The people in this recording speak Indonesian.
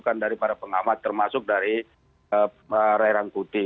bukan dari para pengamat termasuk dari pak rerang kuti